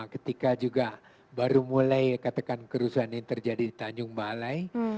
ketika juga baru mulai katakan kerusuhan ini terjadi di tanjung balai